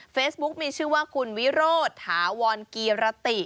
เฟซบุ๊คมีชื่อว่าคุณวิโรธถาวรกีรติ